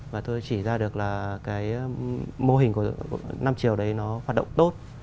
và tôi chỉ ra được là cái mô hình của năm triều đấy nó hoạt động tốt